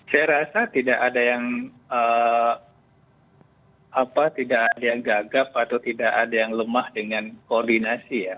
saya rasa tidak ada yang gagap atau tidak ada yang lemah dengan koordinasi ya